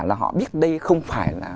là họ biết đây không phải là